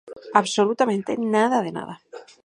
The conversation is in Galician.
¡Absolutamente nada de nada!